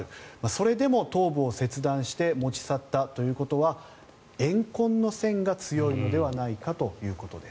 それでも頭部を切断して持ち去ったということはえん恨の線が強いのではないかということです。